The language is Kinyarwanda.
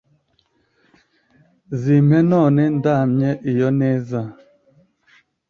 Zimpe none ndamye iyo neza,